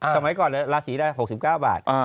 สมัยก่อนลาศีละ๖๙บาท